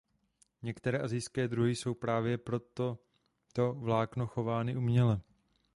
Některé asijské druhy jsou právě pro toto vlákno chovány uměle.